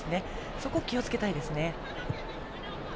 そこ、気をつけたいですね。